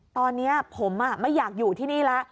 ตอนนี้ผมไม่อยากอยู่ที่นี่แล้ว